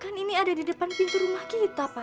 kan ini ada di depan pintu rumah kita pak